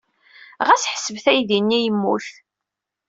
Ɣas ḥesbet aydi-nni yemmut.